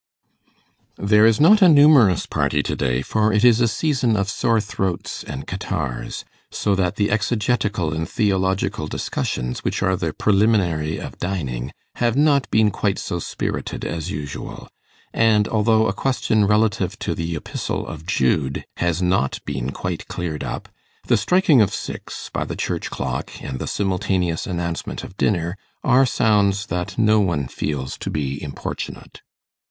There is not a numerous party to day, for it is a season of sore throats and catarrhs; so that the exegetical and theological discussions, which are the preliminary of dining, have not been quite so spirited as usual; and although a question relative to the Epistle of Jude has not been quite cleared up, the striking of six by the church clock, and the simultaneous announcement of dinner, are sounds that no one feels to be importunate.